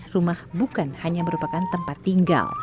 rumah bukan hanya merupakan tempat tinggal